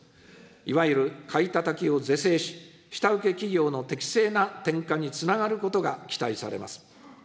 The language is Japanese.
いわゆる買いたたきを是正し、下請け企業の適正な転嫁につながることが期待されます。